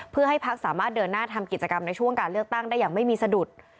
เพื่อให้พักสามารถเดินหน้าทำกิจกรรมในช่วงการเลือกตั้งได้อย่างไม่มีสะดุด